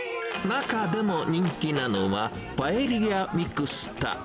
中でも人気なのは、パエリアミクスタ。